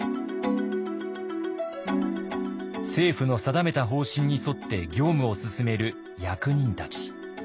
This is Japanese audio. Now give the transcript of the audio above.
政府の定めた方針に沿って業務を進める役人たち。